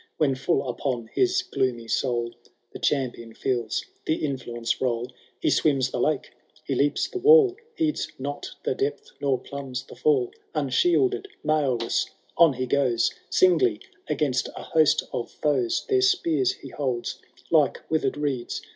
When full upon his gloomy soul The champion feels the influence roll. He swims the lake, he leaps the wall — Heeds not the depth, nor plumbs the fiiU— Unshielded, mail less, on he goes Singly against a host of foes ; Their qtears he holds like withered reeds.